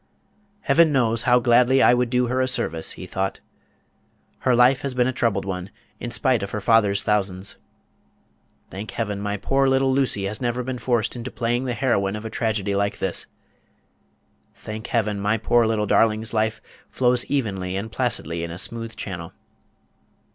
"Heaven knows how gladly I would do her a service," he thought; "her life has been a troubled one, in spite of her father's thousands. Thank Heaven, my poor little Lucy has never been forced into playing the heroine of a tragedy like this; thank Heaven, my poor little darling's life flows evenly and placidly in a smooth channel."